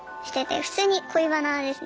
普通に恋バナですね。